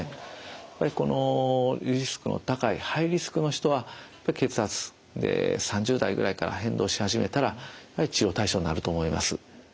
やっぱりこのリスクの高いハイリスクの人は血圧３０代ぐらいから変動し始めたらやはり治療対象になると思います。